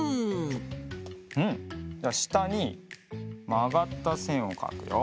うんじゃあしたにまがったせんをかくよ。